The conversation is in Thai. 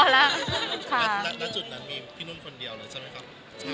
แล้วจุดนั้นมีพี่นุ่นคนเดียวเลยใช่ไหมครับ